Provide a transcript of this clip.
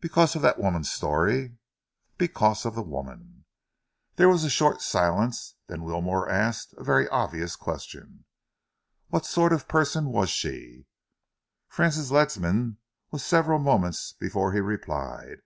"Because of that woman's story?" "Because of the woman." There was a short silence. Then Wilmore asked a very obvious question. "What sort of a person was she?" Francis Ledsam was several moments before he replied.